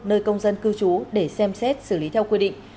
nơi công dân cư trú để xem xét xử lý theo quy định